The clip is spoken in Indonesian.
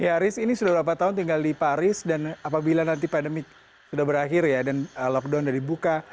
ya aris ini sudah berapa tahun tinggal di paris dan apabila nanti pandemi sudah berakhir ya dan lockdown sudah dibuka